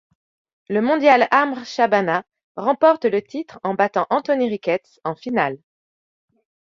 Le mondial Amr Shabana remporte le titre en battant Anthony Ricketts en finale.